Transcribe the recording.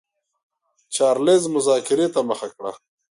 چارلېز مذاکرې ته مخه کړه.